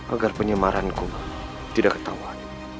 agar penyemaranku tidak ketawa